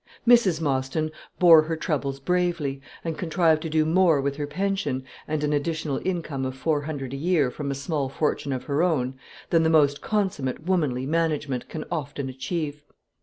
Mrs. Mostyn bore her troubles bravely, and contrived to do more with her pension, and an additional income of four hundred a year from a small fortune of her own, than the most consummate womanly management can often achieve.